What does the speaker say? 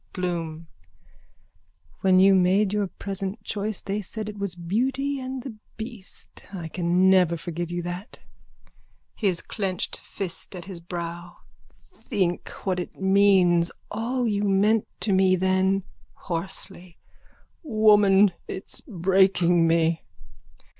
BLOOM: When you made your present choice they said it was beauty and the beast. I can never forgive you for that. (His clenched fist at his brow.) Think what it means. All you meant to me then. (Hoarsely.) Woman, it's breaking me!